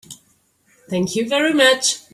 Thank you very much.